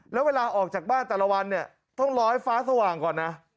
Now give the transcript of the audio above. แล้วเวลาออกจากบ้านแต่ละวันเนี่ยต้องรอให้ฟ้าสว่างก่อนนะ